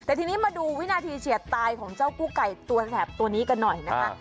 แต่ทีนี้มาดูวินาทีเฉียดตายของเจ้ากู้ไก่ตัวแสบตัวนี้กันหน่อยนะคะ